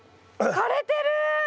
枯れてる！